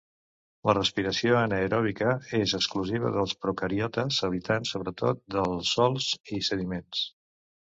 La respiració anaeròbica és exclusiva dels procariotes habitants sobretot de sòls i sediments.